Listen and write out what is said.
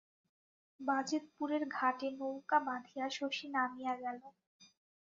বাজিতপুরের ঘাটে নৌকা বাধিয়া শশী নামিয়া গেল।